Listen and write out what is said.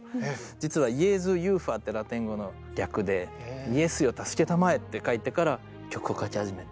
実は「ＪｅｓｕＪｕｖａ」ってラテン語の略で「イエスよ助けたまえ」って書いてから曲を書き始めて。